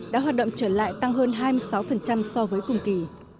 đã hoạt động trở lại tăng hơn hai mươi sáu so với cùng kỳ